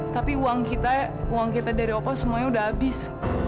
tapi uang kita uang kita dari opa semuanya udah habis